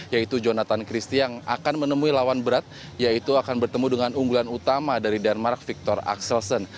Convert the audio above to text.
yaitu jonathan christie yang akan menemui lawan berat yaitu akan bertemu dengan unggulan utama dari denmark victor axelsen